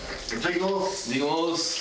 いただきます！